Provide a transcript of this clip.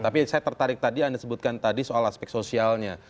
tapi saya tertarik tadi anda sebutkan tadi soal aspek sosialnya